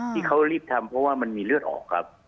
ที่เขารีบทำเพราะว่ามันมีเลือดออกครับ